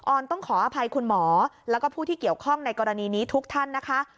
อนต้องขออภัยคุณหมอแล้วก็ผู้ที่เกี่ยวข้องในกรณีนี้ทุกท่านนะคะ